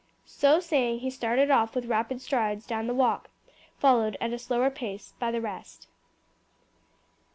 So saying he started off with rapid strides down the walk, followed at a slower pace by the rest.